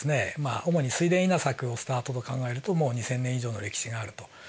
主に水田稲作をスタートと考えるともう２，０００年以上の歴史があるというふうにいわれています。